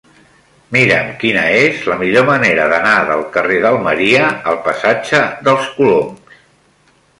Mira'm quina és la millor manera d'anar del carrer d'Almeria al passatge dels Coloms.